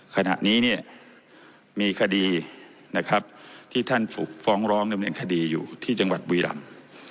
ขณะนี้เนี่ยมีคดีนะครับที่ท่านถูกฟ้องร้องดำเนินคดีอยู่ที่จังหวัดบุรีรำ